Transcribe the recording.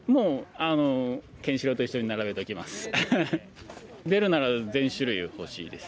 ケンシロウと一緒に並べておきます。